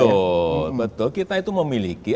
betul betul kita itu memiliki